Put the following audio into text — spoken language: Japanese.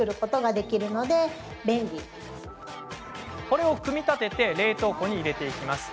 これを組み立てて冷凍庫に入れます。